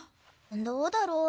どうだろう？